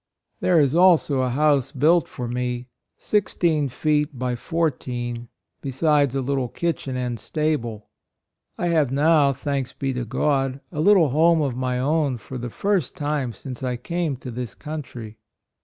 " There is also a house built for me, sixteen feet by fourteen, be sides a little kitchen and stable. I have now, thanks be to God, a little home of my own for the first time since I came to this country."